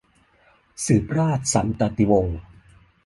สืบราชสันตติวงศ์